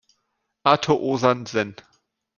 Artur Osann sen.